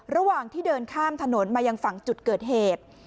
ระหว่างที่เดินข้ามถนนมายังฝั่งจุดเกิดเหตุ